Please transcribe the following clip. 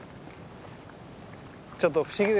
ちょっと不思議ですよね。